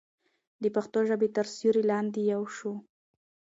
د پښتو ژبې تر سیوري لاندې یو شو.